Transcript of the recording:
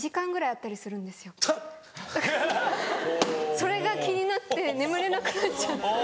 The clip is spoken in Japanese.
それが気になって眠れなくなっちゃって。